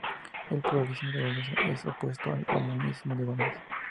El pluralismo de valores es opuesto al "monismo de valores".